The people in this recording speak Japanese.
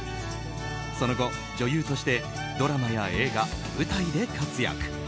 その後、女優としてドラマや映画舞台で活躍。